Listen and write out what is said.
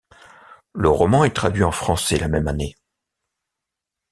Le roman est traduit en français la même année.